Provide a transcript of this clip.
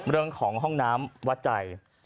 เรื่องของห้องน้ำวัดใจ